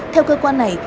theo cơ quan này